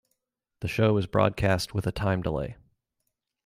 The show is broadcast with a time-delay.